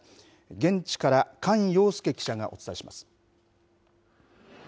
現地から菅洋介記者がお伝えします。